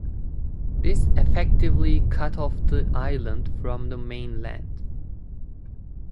This effectively cut off the island from the mainland.